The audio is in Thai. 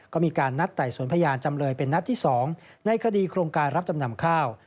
ก็มีการนัดไต่สวนพยานจำเลยเป็นนัดที่๒ในคดีโครงการรับจำนำข้าว